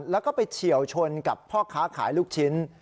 แล้วก็ไปเฉียวชนกับพ่อค้าขายลูกชิ้น